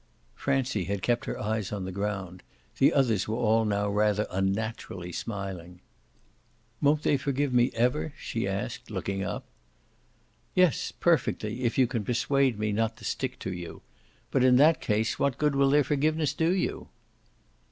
Francie had kept her eyes on the ground; the others were all now rather unnaturally smiling. "Won't they forgive me ever?" she asked, looking up. "Yes, perfectly, if you can persuade me not to stick to you. But in that case what good will their forgiveness do you?"